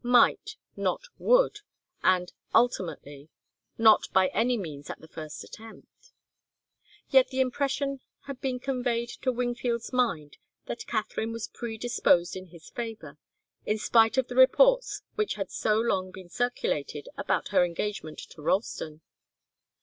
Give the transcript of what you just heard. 'Might,' not 'would' and 'ultimately,' not by any means at the first attempt. Yet the impression had been conveyed to Wingfield's mind that Katharine was predisposed in his favour, in spite of the reports which had so long been circulated about her engagement to Ralston.